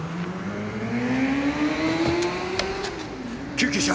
救急車！